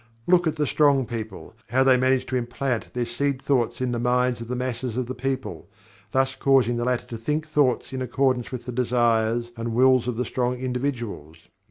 Look at the strong people, how they manage to implant their seed thoughts in the minds of the masses of the people, thus causing the latter to think thoughts in accordance with the desires and wills of the strong individuals.